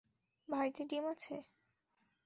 বাড়িতে ডিম আছে?